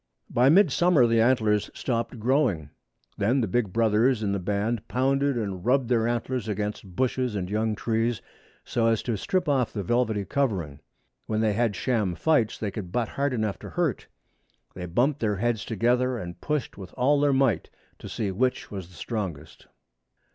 By mid summer the antlers stopped growing. Then the big brothers in the band pounded and rubbed their antlers against bushes and young trees, so as to strip off the velvety covering. When they had sham fights they could butt hard enough to hurt. They bumped their heads together, and pushed with all their might to see which was the strongest.